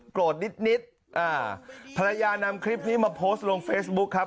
นิดนิดอ่าภรรยานำคลิปนี้มาโพสต์ลงเฟซบุ๊คครับ